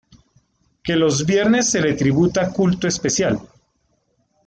Que los viernes se le tributa culto especial.